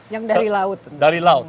yang dari laut